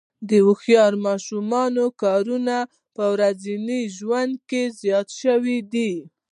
د هوښیار ماشینونو کارونه په ورځني ژوند کې زیات شوي دي.